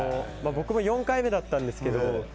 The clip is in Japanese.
僕も４回目だったんですけど。